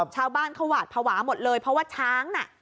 ชาวบ้านเขาหวาดภาวะหมดเลยเพราะว่าช้างน่ะ